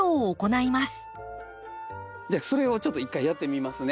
じゃあそれをちょっと一回やってみますね。